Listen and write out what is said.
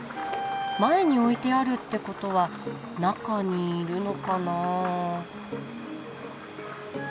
前に置いてあるってことは中にいるのかなあ？